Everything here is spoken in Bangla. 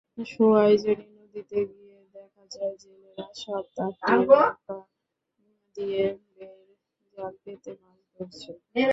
সোয়াইজনী নদীতে গিয়ে দেখা যায়, জেলেরা সাত-আটটি নৌকা দিয়ে বেড়জাল পেতে মাছ ধরছেন।